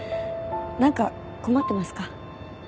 なんか困ってますか？